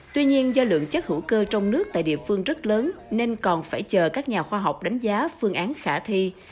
tuy nhiên do lượng chất hữu cơ trong nước tại địa phương rất lớn nên còn phải chờ các nhà khoa học đánh giá phương án khả thi